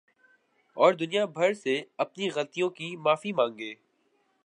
اور دنیا بھر سے اپنی غلطیوں کی معافی ما نگے